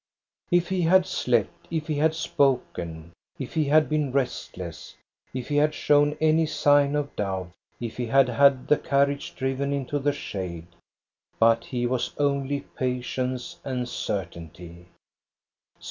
If he had slept, if he had spoken, if he had been restless, if he had shown any sign of doubt, if he had had the carriage driven into the shade ! But he was only patience and certainty.